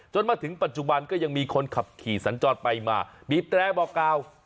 จนถึงปัจจุบันก็ยังมีคนขับขี่สันจรไปมาบีบแตรบอกกล่าว